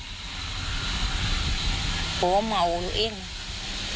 ที่บอกไปอีกเรื่อยเนี่ย